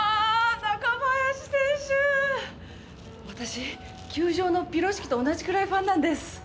私球場のピロシキと同じくらいファンなんです。